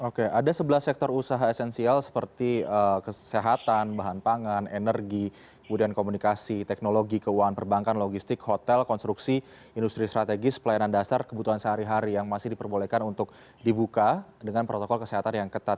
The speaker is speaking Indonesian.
oke ada sebelas sektor usaha esensial seperti kesehatan bahan pangan energi kemudian komunikasi teknologi keuangan perbankan logistik hotel konstruksi industri strategis pelayanan dasar kebutuhan sehari hari yang masih diperbolehkan untuk dibuka dengan protokol kesehatan yang ketat